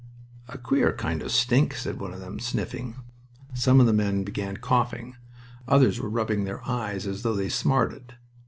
"A queer kind o' stink!" said one of them, sniffing. Some of the men began coughing. Others were rubbing their eyes, as though they smarted.